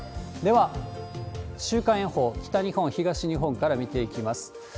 では、週間予報、北日本、東日本から見ていきます。